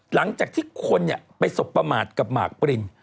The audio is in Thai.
หลังจากที่คนไปสบประมาทกับหมากปริน